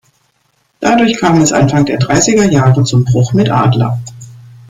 Dadurch kam es Anfang der dreißiger Jahre zum Bruch mit Adler.